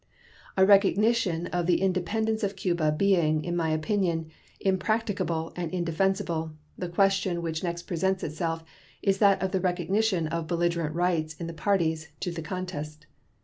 A recognition of the independence of Cuba being, in my opinion, impracticable and indefensible, the question which next presents itself is that of the recognition of belligerent rights in the parties to the contest.